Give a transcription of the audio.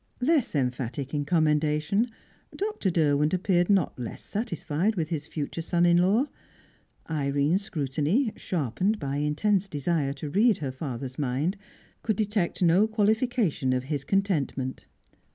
Less emphatic in commendation, Dr. Derwent appeared not less satisfied with his future son in law. Irene's scrutiny, sharpened by intense desire to read her father's mind, could detect no qualification of his contentment.